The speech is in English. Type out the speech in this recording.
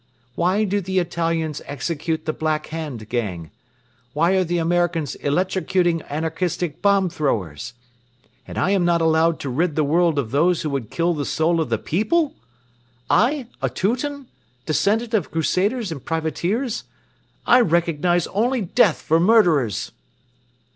Why do the Italians execute the 'Black Hand' gang? Why are the Americans electrocuting anarchistic bomb throwers? and I am not allowed to rid the world of those who would kill the soul of the people? I, a Teuton, descendant of crusaders and privateers, I recognize only death for murderers!